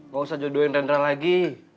gak usah jodohin rendra lagi